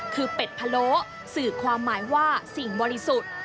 คือเป็ดพะโล้สื่อความหมายว่าสิ่งบริสุทธิ์